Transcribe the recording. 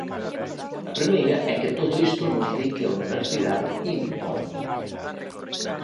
A primeira é que todo isto nos di que a universidade importa.